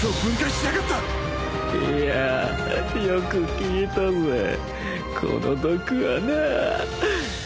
いやぁよく効いたぜこの毒はなぁあ。